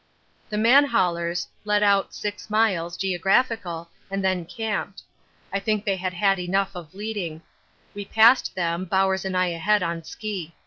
The man haulers led out 6 miles (geo.) and then camped. I think they had had enough of leading. We passed them, Bowers and I ahead on ski.